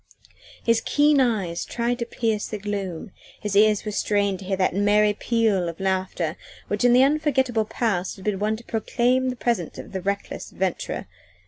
His keen eyes tried to pierce the gloom, his ears were strained to hear that merry peal of laughter which in the unforgettable past had been wont to proclaim the presence of the reckless adventurer.